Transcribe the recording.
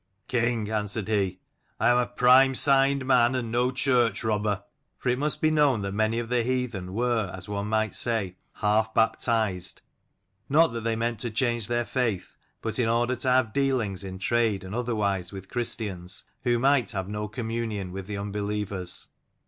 "King," answered he, " I am a primesigned man and no church robber." (For it must be known that many of the heathen were, as one may say, half baptized: not that they meant to change their faith, but in order to have dealings in trade and otherwise with Christians, who might have no communion with the unbelievers).